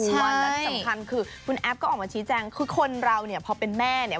วันและที่สำคัญคือคุณแอฟก็ออกมาชี้แจงคือคนเราเนี่ยพอเป็นแม่เนี่ย